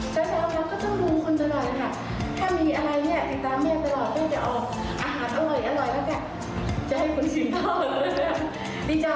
ถ้ามีอะไรเนี่ยติดตามแม่ตลอดก็จะออกอาหารอร่อยแล้วก็จะให้คุณชิงข้อเลยนะครับ